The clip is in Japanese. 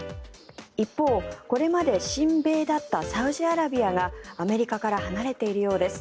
一方、これまで親米だったサウジアラビアがアメリカから離れているようです。